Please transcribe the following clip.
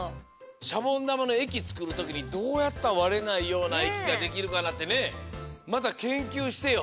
シャボンだまのえきつくるときにどうやったらわれないようなえきができるかなってねまたけんきゅうしてよ。